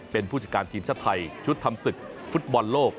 เป็นผู้จัดการทีมชาติไทยชุดทำศึกฟุตบอลโลก